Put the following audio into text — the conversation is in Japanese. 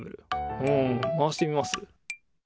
うん回してみます？